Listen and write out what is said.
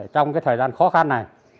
trong thời gian khó khăn này